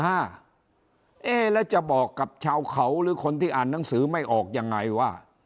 เอ๊ะแล้วจะบอกกับชาวเขาหรือคนที่อ่านหนังสือไม่ออกยังไงว่า